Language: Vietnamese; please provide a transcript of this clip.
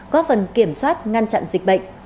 có phần kiểm soát ngăn chặn dịch bệnh